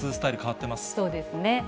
そうですね。